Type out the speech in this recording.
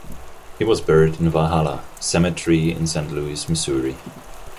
He was buried in Valhalla Cemetery in Saint Louis, Missouri.